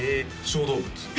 小動物？